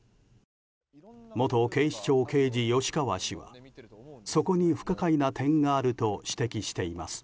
元警視庁刑事、吉川氏はそこに不可解な点があると指摘しています。